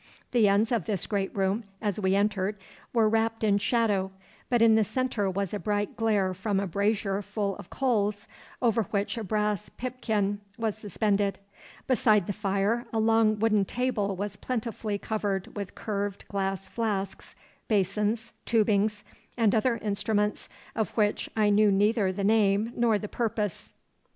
The ends of this great room, as we entered, were wrapped in shadow, but in the centre was a bright glare from a brazier full of coals, over which a brass pipkin was suspended. Beside the fire a long wooden table was plentifully covered with curved glass flasks, basins, tubings, and other instruments of which I knew neither the name nor the purpose.